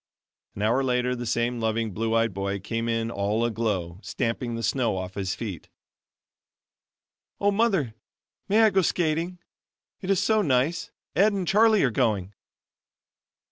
An hour later, the same loving, blue eyed boy came in all aglow, stamping the snow off his feet. "Oh, Mother, may I go skating? it is so nice Ed and Charlie are going."